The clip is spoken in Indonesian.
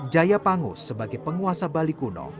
jaya pangus sebagai penguasa bali kuno